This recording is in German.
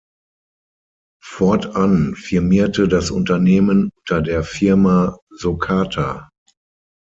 Fortan firmierte das Unternehmen unter der Firma Socata.